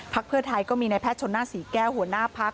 เพื่อไทยก็มีในแพทย์ชนหน้าศรีแก้วหัวหน้าพัก